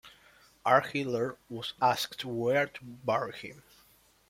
R' Heller was asked where to bury him.